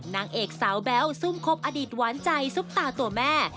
นางเอกสาวแบ๊วซุ่มคบอดีตหวานใจซุปตาตัวแม่